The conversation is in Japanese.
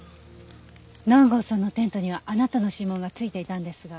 南郷さんのテントにはあなたの指紋が付いていたんですが。